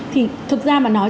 thì thực ra mà nói